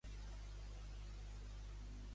ens indica l'inici de sender de la riera de Vilamajor